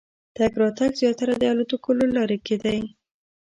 تګ راتګ زیاتره د الوتکو له لارې کېدی.